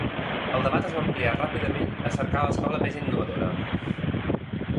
El debat es va ampliar ràpidament a cercar l'escola més innovadora.